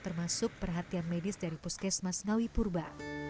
termasuk perhatian medis dari puskes mas ngawi purba